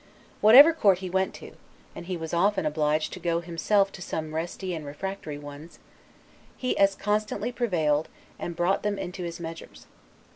Whatever court he went to (and he was often obliged to go himself to some resty and refractory ones), he as constantly prevailed, and brought them into his measures.